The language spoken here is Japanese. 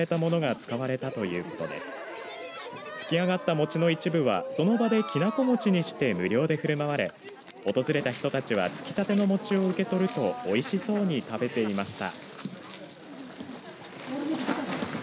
つきあがった餅の一部はその場で、きなこ餅にして無料で振る舞われ訪れた人たちはつきたての餅を受け取るとおいしそうに食べていました。